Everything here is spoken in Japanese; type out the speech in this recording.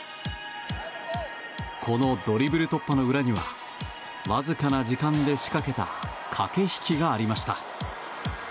このドリブル突破の裏にはわずかな時間で仕掛けた駆け引きがありました。